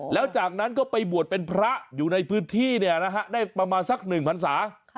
แล้วจากนั้นก็ไปบวชเป็นพระอยู่ในพื้นที่ได้ประมาณสัก๑พันศา